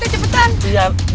pak rt cepetan jalan